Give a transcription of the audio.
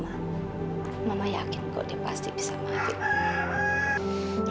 mama yakin kok dia pasti bisa maju